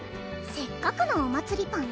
せっかくのお祭りパム